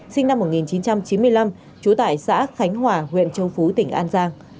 sinh năm một nghìn chín trăm chín mươi năm trú tại xã khánh hòa huyện châu phú tỉnh an giang